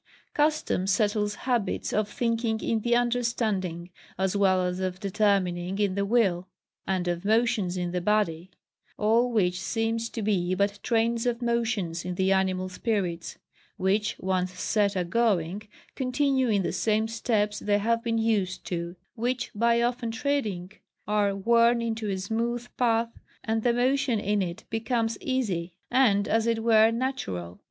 CUSTOM settles habits of thinking in the understanding, as well as of determining in the will, and of motions in the body: all which seems to be but trains of motions in the animal spirits, which, once set a going, continue in the same steps they have been used to; which, by often treading, are worn into a smooth path, and the motion in it becomes easy, and as it were natural.